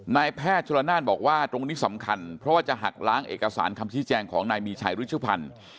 นายแพทย์ชุลนานบอกว่าตรงนี้สำคัญเพราะว่าจะหักล้างเอกสารคำชี้แจงของนายมีชัยรุชุพันธ์